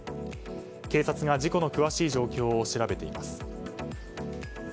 警察が事故の詳しい状況を調べています。